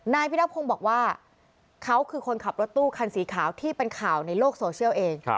พิทักพงศ์บอกว่าเขาคือคนขับรถตู้คันสีขาวที่เป็นข่าวในโลกโซเชียลเอง